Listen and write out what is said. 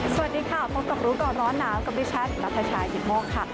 สวัสดีค่ะพบกับรู้ก่อนร้อนหนาวกับดิฉันนัทชายกิตโมกค่ะ